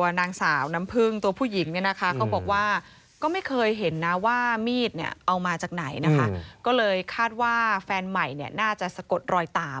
ว่ามีดเอามาจากไหนก็เลยคาดว่าแฟนใหม่น่าจะสกดรอยตาม